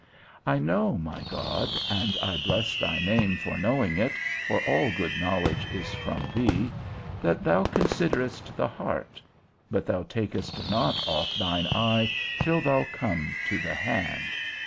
I know, my God (and I bless thy name for knowing it, for all good knowledge is from thee), that thou considerest the heart; but thou takest not off thine eye till thou come to the hand.